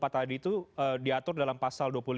tadi itu diatur dalam pasal